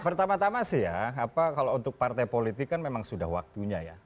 pertama tama sih ya kalau untuk partai politik kan memang sudah waktunya ya